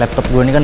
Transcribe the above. untung udah dimakan